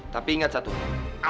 tapi ingat satu hal